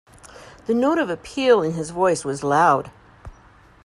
The note of appeal in his voice was loud.